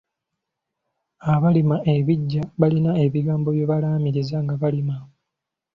Abalima ebiggya balina ebigambo bye balaamiriza nga balima.